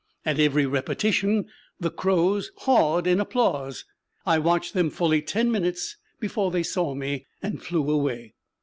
At every repetition the crows hawed in applause. I watched them fully ten minutes before they saw me and flew away.